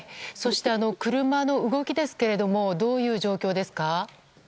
車の動きですけどどういう状況ですか？